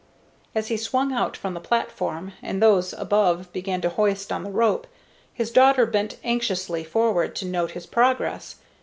As he swung out from the platform, and those above began to hoist on the rope, his daughter bent anxiously forward to note his progress.